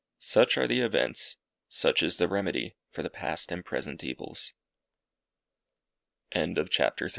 Such are the events, such is the remedy for the past and present evils. CHAPTER IV.